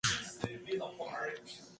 Todas por Pappo, excepto donde se indica.